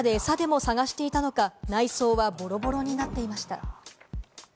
車の中でエサでも探していたのか、内装はボロボロになっていました。